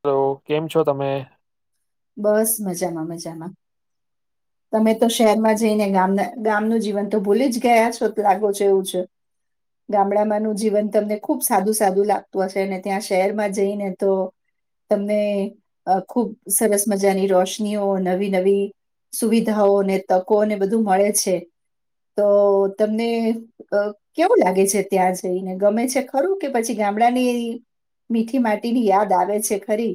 Hello કેમ છો તમે બસ મજામાં મજામાં તમે તો શહેરમાં જઈને ગામના ગામનું જીવન તો ભૂલી જ ગયા છો લાગો છો એવું છે ગામડામાંનું જીવન તમને ખુબ સાદું સાદું લાગતું હશે અને ત્યાં શહેરમાં જઈને તો તમને અ ખુબ સરસ મજાની રોશનીઓ નવી નવી સુવિધાઓ ને તકોને બધું મળે છે તો તમને કેવું અ લાગે છે ત્યાં જઈને ગમે છે ખરું કે પછી ગામડાની મીઠી માટીની યાદ આવે છે ખરી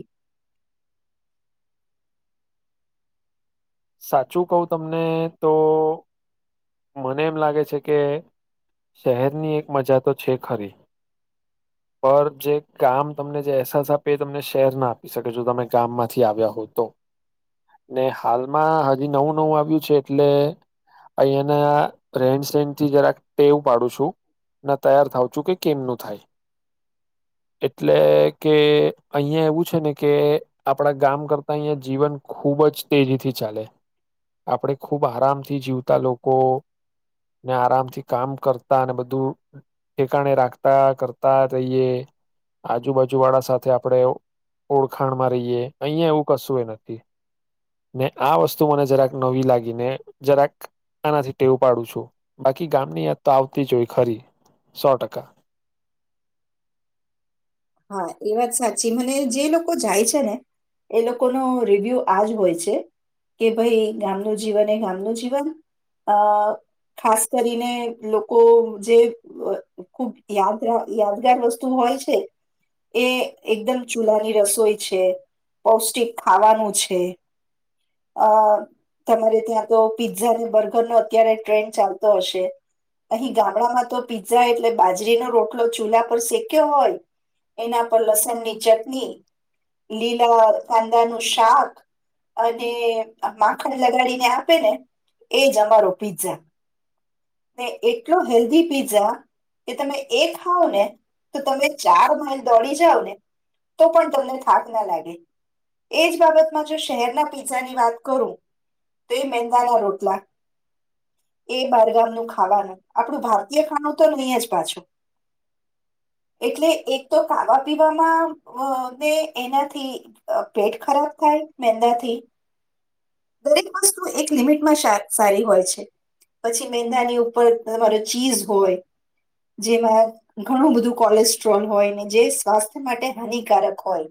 સાચું કહું તમને તો મને એમ લાગે છે કે શહેરની એક મજા તો છે ખરી પર જે કામ તમને જે અહેસાસ આપે એ તમને શહેર ના આપી શકે જો તમે ગામમાંથી આવ્યા હો તો ને હાલ માં હજી નવું નવું આવ્યું છે એટલે અહિયાંના રેન સેન થી જરાક ટેવ પાડું છું ના તૈયાર થાવું છું કે કેમનું થાય એટલે કે અહંયા એવું છે ને કે આપડા ગામ કરતા અહિયાયા જીવન ખુબ જ તેજીથી ચાલે આપણેે ખુબ આરામથી જીવતા લોકો ને આરામથી કામ કરતા બધું ઠેકાણે રાખતા કરતા રહીયએ આજુબાજુ વાળા સાથે આપણે ઓળખાણમાં રહીએ અહિયાં એવું કશું એ નથી ને આ વસ્તુ મને જરાક નવી લાગી ને જરાક આનાથી ટેવું પાડું છું બાકી ગામની યાદ તો આવતી જ હોય ખરી સો ટકા હા એ વાત સાચી મને જે લોકો જાય છે ને એ લોકોનો રિવ્યુ આજ હોય છે કે ભાઈ ગામનું જીવન એ ગામનું જીવન અ ખાસ કરીને લોકો જે ખુબ યાદ યાદગાર વસ્તુ હોય છે એ એકદમ ચૂલાની રસોઈ છે પૌષ્ટિક ખાવાનું છે અ તમારે ત્યાં તો પીઝ્ઝા અનેને બર્ગર નો અત્યારે ટ્રેન્ડ ચાલતો હશે અહી ગામડામાં તો પીઝ્ઝા એટલે બાજરીનો રોટલો ચૂલા પર શેક્યો હોય એના પર લસણ ની ચટણી લીલા કાંદાનું શાક અને મા માખણ લગાડીને આપે ને એજ અમારો પીઝા ને એટલો હેલ્ધી પીઝા કે તમે એ ખાવ ને તો તમે ચાર માઇલ દોડી જઓ ને તો પણ તમને થાક ના લાગે એજ બાબતમાં જો શહેરના પીઝાની વાત કરું તો એ મેંદાના રોટલા એ બારગામ ખાવાનું આપણું ભારતીય ખાણું તો નહી જ પાછું એટલે એક તો ખાવા પીવામાંને એનાથી પેટ ખરાબ થાય મેંદાથી દરેક વસ્તુ એક લિમિટમાં સા સારી હોય છે પછી મેંદાની ઉપર તમારો ચીઝ હોય જેમાં ઘણું બધું કોલેસ્ટ્રોલ હોય ને જે સ્વાસ્થ્ય માટે હાનિકારક હોય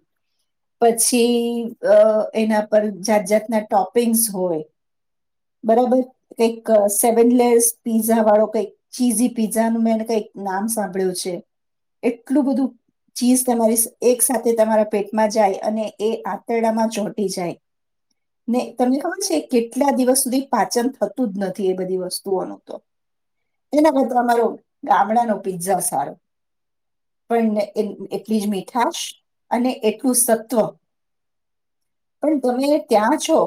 પછી એના પર જાત જાતના ટોપિંગ્સ હોય બરાબર લાઇક એટલે સ પીઝા વાળો કઈક ચીઝી પીઝા નું મેં કઈક નામ સાંભળ્યું છે, એટલું બધું ચીઝ તમારી એક સાથે તમારા પેટમાં જાય અને એ આંતરડામાં ચોટી જાય ને તમને ખબર છે કેટલા દિવસ સુધી પાચન થતું જ નથી એ બધી વસ્ત એના કરતા અમારો ગામડાનો પીઝા સારો પણ એટલી જ મીઠાશ અને એટલું સત્વ પણ તમે ત્યાં છો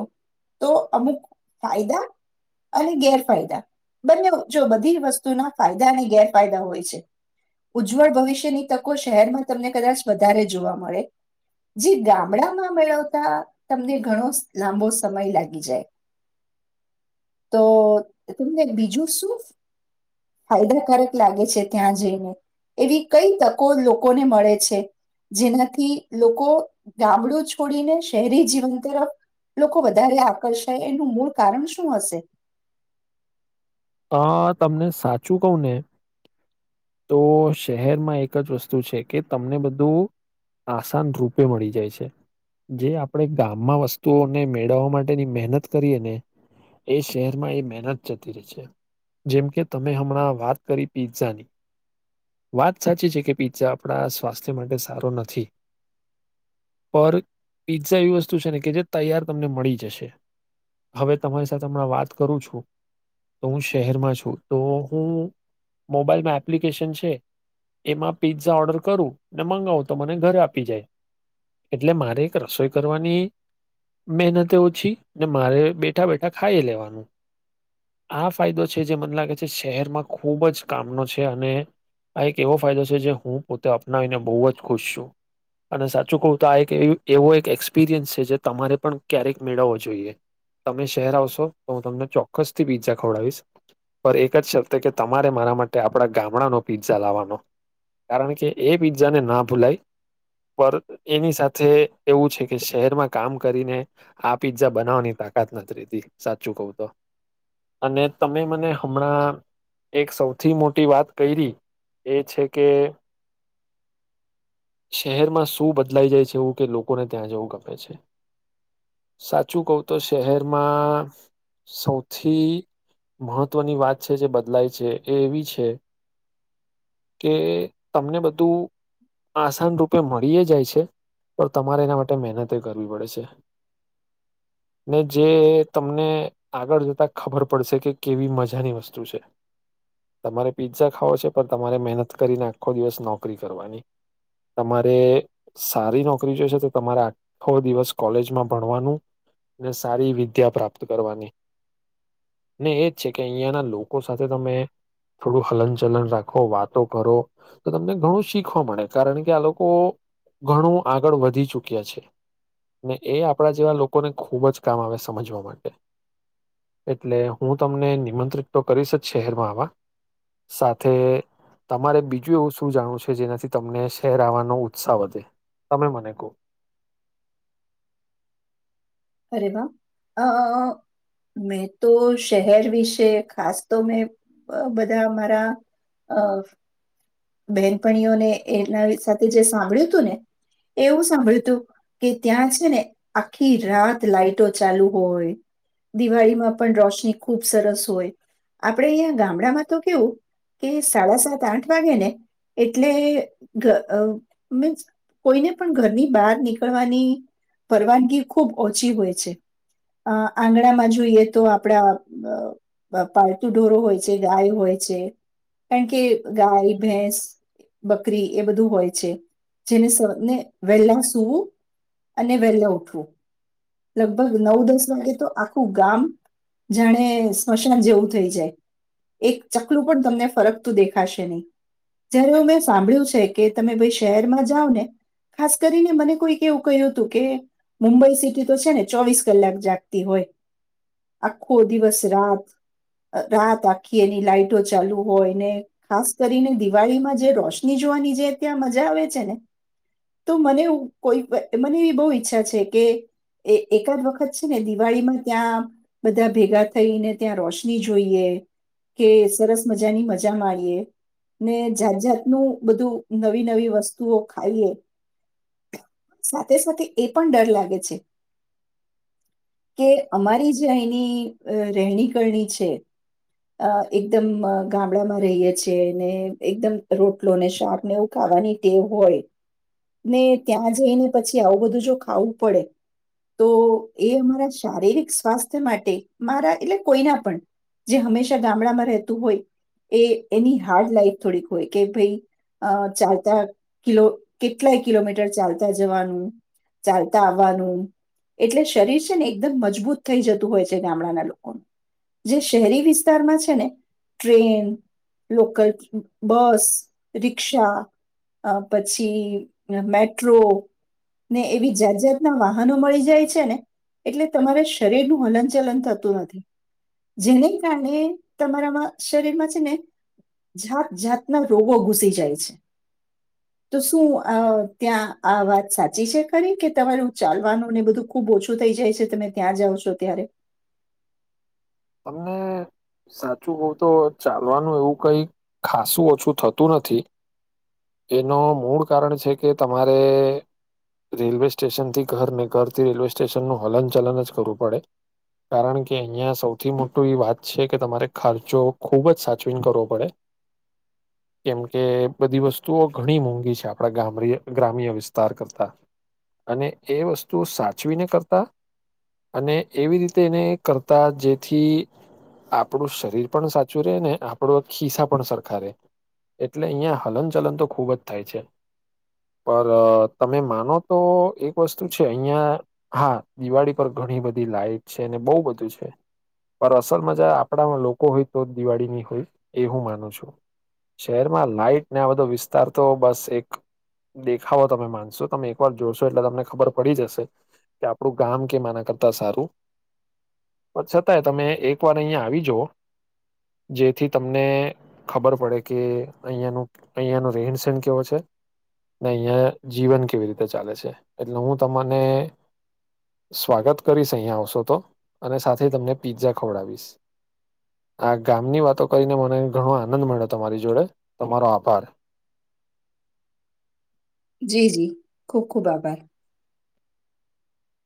તો અમુક ફાયદા અને ગેરફાયદા બંને જો બધી વસ્તુના ફાયદા અને ગેરફાયદા હોય છે, ઉજ્જવળ ભવિષ્યની તકો શહેરમાં તમને કદાચ વધારે જોવા મળે જે ગામડામાં મેળવતા તમને ઘણો લાંબો સમય લાગી જાય તો તમને બીજું શું ફાયદાકારક લાગે છે ત્યાં જઈને એવી કઈ તકો લોકોને મળે છે, જેનાથી લોકો ગામડું છોડીને શહેરી જીવન તરફ લોકો વધારે આકર્ષાય એનું મૂળ કારણ શું હશે? અ તમને સાચું કહું ને તો શહેરમાં એક જ વસ્તુ છે કે અ તમને બધું આસાન રૂપે મળી જાય છે જે આપણે ગામમાં વસ્તુઓને મેળવવા માટેની મહેનત કરીએ ને એ શહેરમાં એ મહેનત જતી રહે છે. જેમ કે તમે હમણાં વાત કરી પીઝ્ઝાની વાત સાચી છે કે પીઝ્ઝા આપણા સ્વાસ્થ્ય માટે સારો નથી પર પીઝ્ઝા એવી વસ્તુ છે ને કે જે તૈયાર તમને મળી જશે હવે તમારી સાથે હમણાં વાત કરું છું તો હું શહેરમાં છું તો હું મોબાઈલમાં એપ્લિકેશન છે, એમાં પિઝઝા ઓર્ડર કરું ને મંગાવું તો મને ઘરે આપી જાય એટલે મારે એક રસોઈ કરવાની મહેનતે ઓછી ને મારે બેઠા બેઠા ખાઈ લેવાનું. આ ફાયદો છે જે મને લાગે છે શહેરમાં ખૂબ જ કામનો છે અને આ એક એવો ફાયદો છે જે હું પોતે અપનાવીને બહુ જ ખુશ છું અને સાચું કહું તો આ એક એ એવો એક એક્સપિરિયન્સ છે જે તમારે પણ ક્યારેક મેળવવો જોઈએ તમે શહેર આવશો તો હું તમને ચોક્કસથી પીઝા ખડાવીશ એક જ શ કે તમારે મારા માટે આપણા ગામડાનો પીઝા લાવવાનો કારણ કે એ પીઝાને ના ભૂલાય પણ એની સાથે એવું છે કે શહેરમાં કામ કરીને આ પીઝા બનાવવાની તાકાત નથી રહતી સાચું કહું તો અને તમે મને હમણાં એક સૌથી મોટી વાત કરી એ છે કે શહેરમાં શું બદલાઈ જાય છે એવું કે લોકોને ત્યાં જવું ગમેે છે સાચું કહું તો શહેરમાં સૌથી સથી મહત્વની વાત છે જે બદલાય છે એ એવી છે કે તમને બધું આસાન રૂપે મળી જાય છે પણ તમારે એના માટે મહેનતે કરવી પડે છે ને જે તમને આગળ જતા ખબર પડશે કે કેવી મજાની વસ્તુ છે તમારે પિ્ઝા ખાવો છે પણ તમારે મહેનત કરીને આખો દિવસ નોકરી કરવાની તમારે સારી નોકરી જોશે તો તમારે આખો દિવસ કોલેજમાં ભણવાનું ને સારી વિદ્યા પ્રાપ્ત કરવાની. ને એજ છે કે અહીંયાના લોકો સાથે તમે થોડું હલનચલન રાખો વાતો કરો તો તમને ઘણું શીખવા મળે કારણ કે આ લોકો ઘણું આગળ વધી ચુક્યા છે ને એ આપણા જેવા લોકોને ખૂબ જ કામ આવે સમજવા માટે એટલે હું તમને નિમંત્રિત તો કરીશ જ શહેરમાં આવા સાથે તમારે બીજું એવું શું જાણવું છે જેનાથી તમને શહેર આવવાનો ઉત્સાહ વધે તમે મને કહો અરે વાહ અ મેં તો શહેર વિશે ખાસ તો મેં બધા મારા અ બહેનપણીઓને એના સાથે જે સાંભળ્યું હતું ને એ એવું સાંભળ્યું હતું કે ત્યાં છે ને આખી રાત લાાઈટો ચાલુ હોય દિવાળીમાં પણ રોશની ખુબ સરસ હોય આપણેે અહીંયા ગામડામાં તો કેવું કે સાડા સાત આઠ વાગે ને એટલે મીન્સ કોઈને પણ ઘરની બહાર નીકળવાની પરવાનગી ખુબ ઓછી હોય છે આંગણામાં જોઈએ તો આપડા પાળતુ ઢોરો હોય છે ગાય હોય છે કારણ કે ગાય ભેંસ બકરી એ બધું હોય છે જેનેને વહેલા સૂવું અને વહેલા ઉઠવું લગભગ નવ દસ વાગે તો આખું ગામ જાણે સ્મશાન જેવું થઈ જાય એક ચકલું પણ તમને ફરક તું દેખાશે નહી જયારે હમેં સાંભળ્યું છે કે તમે ભાઈ શહેરમાં જાવ ને ખાસ કરીને મને કોઈક એવું કહ્યું હતું કે મુંબઈ સિટી તો છે ને ચોવીસ કલાક જાગતી હોય આખો દિવસ રાત રાત આખી એની લાઈટો ચાલુ હોય ને ખાસ કરીને દિવાળીમાં જે રોશની જોવાની જે ત્યાં મજા આવે છે ને તો મને કોઈ મને એવી બહુ ઈચ્છા છે કે એકાદ વખત છે ને દિવાળીમાં ત્યાં બધા ભેગા થઈને ત્યાં રોશની જોઈએ કે સરસ મજાની મજા માણીએ ને જાત જાતનું બધું નવી નવી વસ્તુઓ ખાઈએ સાથે સાથે એ પણ ડર લાગે છે કે અમારી જે અહીની રહેણી કરણી છે. અ એકદમ ગામડામાં રહીએ છ છેએ ને એકદમ રોટલો ને શાકને એવું ખાવાની ટે હોય ને ત્યાં જઈને પછી આવું બધું જો ખાવું પડે તો એ અમારા શારીરિક સ્વાસ્થ્ય માટે મારા એટલે કોઈના પણ જે હંમેશા ગામડામાં રહેતું હોય એ એની હાર્ડ લાઈફ થોડીક હોય કે ભાઈ ચાલતા કિલો કેટલાય કિલોમીટર ચાલતા જવાનું ચાલતા આવવાનું એટલે શરીર છે ને એકદમ મજબૂત થઈ જતું હોય છે ગામડાના લોકોનું જે શહેરી વિસ્તારમાં છે ને ટ્રેન લોકલ બસ રિક્ષા પછી મેટ્રો ને એવી જાત જાતના વાહનો મળી જાય છે ને એટલે તમારે શરીરનું હલન ચલન થતું નથી. જેને કારણે તમારામાં શરીરમાં છે ને જાત જાતના રોગો ઘૂસી જાય છે તો શું આ ત્યાં આ વાત સાચી છે ખરી કે તમારું ચાલવાનું ને બધું ખૂબ ઓછું થઈ જાય છે તમે ત્યાં જાઓ છો ત્યારે તમને સાચું બહુ તો ચાલવાનું એવું કઈ ખાસું ઓછું થતું નથી એનું મૂળ કારણ છે કે તમારે રેલવે સ્ટેશનથી ઘરને ઘરથી રેલવે સ્ટેશનનું હલન ચલન જ કરવું પડે કારણ કે અહીયાંયા સૌ સૌથી મોટું એ વાત છે કે તમારે ખર્ચો ખૂબ જ સાચવીને કરવો પડે કેમકે બધી વસ્તુઓ ઘણી મોંઘી છે આપણા ગ્રામ્ય વિસ્તાર કરતા અને એ વસ્તુ સાચવીને કરતા અને એવી રીતે એને કરતા જે થી આપણું શરીર પણ સાચું રે ને આપણો ખિસ્સા પણ સરખા રહેે એટલે અહિયાં હલન ચલન તો ખૂબ જ થાય છે પર તમે માનો તો એક વસ્તુ છે અહિયાં હા દિવાળી પર ઘણી બધી લાઈઇટ છે ને બહુ બધું છે. પર અસલમાંજા આપણા લોકો હોય તો જ દિવાળીની હોય એ હું માનું છું શહેરમાં લાઈટ ને આ બધો વિસ્તાર તો બસ એક દેખાવો તમે માનશો તમે એકવાર જોશો એટલે તમને ખબર પડી જશે કે આપણું ગામ કે મા આના કરતા સારું છતાંય તમે એક વાર અહિયાંયા આવી જુઓ જેથી તમને ખબર પડે કે અહિયાનું અહીંયા નું રેણ સેણ કેવો છે ને અહિયાંયા જીવન કેવી રીતે ચાલે છે એટલે હું તમને સ્વાગત કરીશ અહીયાંયા આવશો તો અને તમને પીઝા ખવડાવીશ આ ગામની વાતો કરીને મને ઘણો આનંદ મળ્યો તમારી જોડે તમારો આભાર. જી જી ખૂબ ખૂબ આભાર.